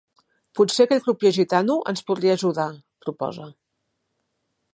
Potser aquell crupier gitano ens podria ajudar —proposa.